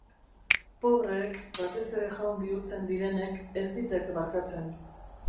Pobreek, batez ere jaun bihurtzen direnek, ez ditek barkatzen.